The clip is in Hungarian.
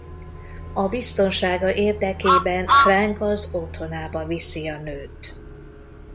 A biztonsága érdekében Frank az otthonába viszi a nőt.